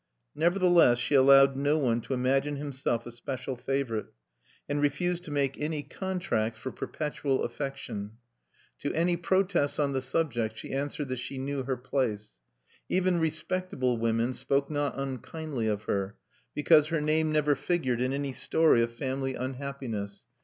Nevertheless she allowed no one to imagine himself a special favorite, and refused to make any contracts for perpetual affection. To any protests on the subject she answered that she knew her place. Even respectable women spoke not unkindly of her, because her name never figured in any story of family unhappiness.